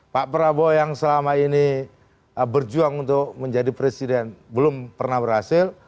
pak prabowo yang selama ini berjuang untuk menjadi presiden belum pernah berhasil